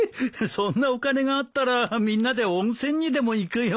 そんなお金があったらみんなで温泉にでも行くよ。